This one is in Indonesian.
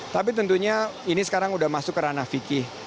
tapi tentunya ini sekarang sudah masuk ke ranah fikih